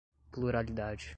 pluralidade